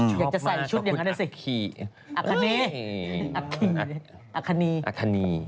ยังจะใส่ชุดอย่างนั้นได้สิ